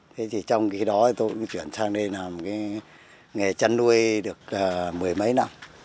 thế thì trong khi đó tôi cũng chuyển sang đây làm cái nghề chăn nuôi được mười mấy năm